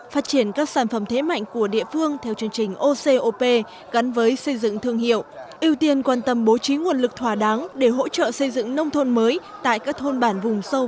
phát triển các sản phẩm thế mạnh của địa phương theo chương trình ocop gắn với xây dựng thương hiệu ưu tiên quan tâm bố trí nguồn lực thỏa đáng để hỗ trợ xây dựng nông thôn mới tại các thôn bản vùng sâu vùng xa vùng đặc biệt khó khăn